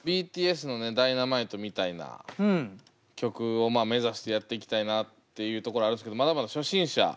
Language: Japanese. ＢＴＳの「Ｄｙｎａｍｉｔｅ」みたいな曲を目指してやっていきたいなっていうところはあるんですけどまだまだ初心者。